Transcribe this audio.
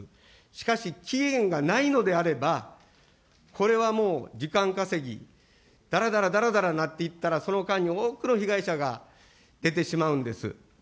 しかし、期限がないのであれば、これはもう、時間稼ぎ、だらだらだらだらなっていったらその間に多くの被害者が出てしまうんです。